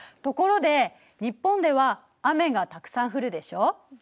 ところで日本では雨がたくさん降るでしょ。